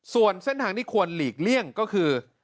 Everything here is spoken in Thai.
ส่วนเส้นทางที่ควรหลีกเลี่ยงก็คือ